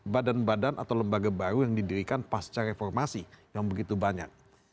badan badan atau lembaga baru yang didirikan pasca reformasi yang begitu banyak